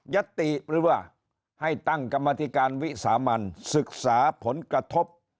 ติหรือว่าให้ตั้งกรรมธิการวิสามันศึกษาผลกระทบ